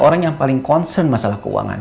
orang yang paling concern masalah keuangan